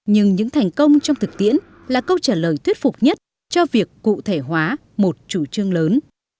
nhưng những thành công trong thực tiễn là câu trả lời thuyết phục nhất cho việc cụ thể hóa một chủ trương lớn